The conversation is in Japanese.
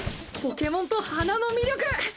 ポケモンと花の魅力！